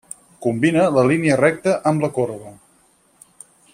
Combina la línia recta amb la corba.